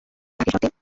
বাকি সব দিন?